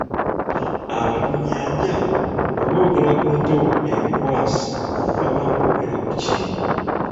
Abalunnyanja bwe boogera ku mpewo enkwasi baba boogera ku ki?